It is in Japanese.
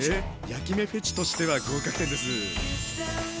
焼き目フェチとしては合格点です。